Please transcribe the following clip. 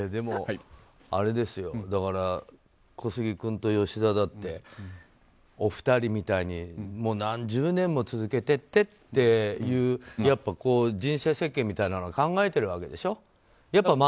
だから、小杉君と吉田だってお二人みたいに何十年も続けていってという人生設計みたいなのは考えているわけでしょ？